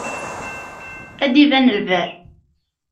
Ad d-iban lberr.